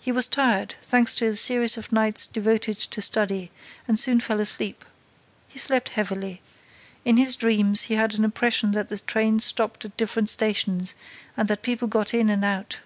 He was tired, thanks to a series of nights devoted to study, and soon fell asleep. He slept heavily. In his dreams, he had an impression that the train stopped at different stations and that people got in and out.